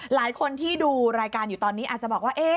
หลายคนที่ดูรายการอยู่ตอนนี้อาจจะบอกว่า